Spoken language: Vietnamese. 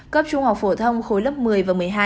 cấp trung học phổ thông khối lớp một mươi và một mươi hai